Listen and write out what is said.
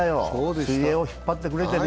水泳を引っ張ってくれてね。